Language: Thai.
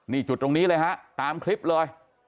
นี่จุดตรงนี้เลยฮะตามคลิปเลย